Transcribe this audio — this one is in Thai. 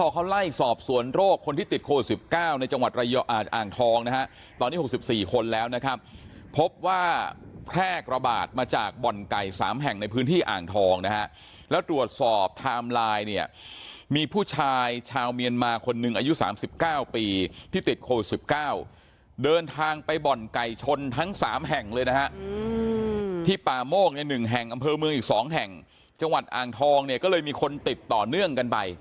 คนโรคคนที่ติดโควดสิบเก้าในจังหวัดอ่างทองนะฮะตอนนี้หกสิบสี่คนแล้วนะครับพบว่าแพร่ระบาดมาจากบ่อนไก่สามแห่งในพื้นที่อ่างทองนะฮะแล้วตรวจสอบไทม์ไลน์เนี่ยมีผู้ชายชาวเมียนมาคนหนึ่งอายุสามสิบเก้าปีที่ติดโควดสิบเก้าเดินทางไปบ่อนไก่ชนทั้งสามแห่งเลยนะฮะที่ปาโมกในหนึ่งแห่งอ